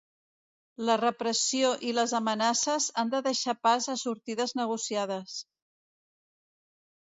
La repressió i les amenaces han de deixar pas a sortides negociades.